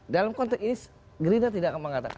dalam konteks ini gerindra tidak akan mengatakan